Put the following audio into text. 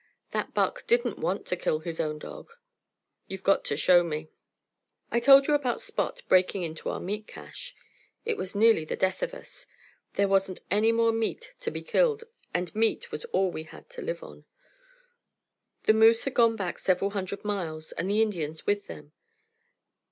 That buck didn't want to kill his own dog. You've got to show me. I told you about Spot breaking into our meat cache. It was nearly the death of us. There wasn't any more meat to be killed, and meat was all we had to live on. The moose had gone back several hundred miles and the Indians with them.